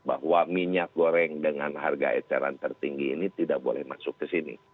bahwa minyak goreng dengan harga eceran tertinggi ini tidak boleh masuk ke sini